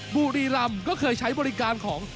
บุรีรำก็เคยใช้บริการของ